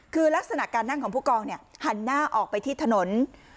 คือลักษณะการนั่งของผู้กองหันหน้าออกไปที่ถนน